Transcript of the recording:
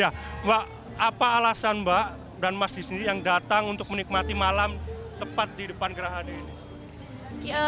halo mbak mbak dan mas apa alasan mbak dan mas disini yang datang untuk menikmati malam tepat di depan gerah hane ini